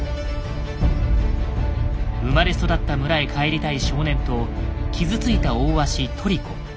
生まれ育った村へ帰りたい少年と傷ついた大鷲トリコ。